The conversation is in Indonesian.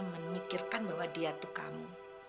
memikirkan bahwa dia tuh kamu